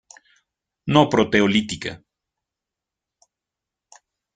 No proteolítica.